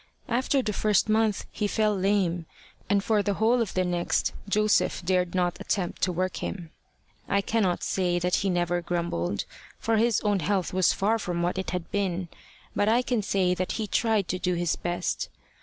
After the first month he fell lame, and for the whole of the next Joseph dared not attempt to work him. I cannot say that he never grumbled, for his own health was far from what it had been; but I can say that he tried to do his best.